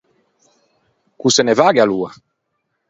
Ch’o se ne vagghe aloa.